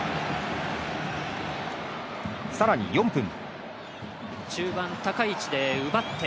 さらに４分。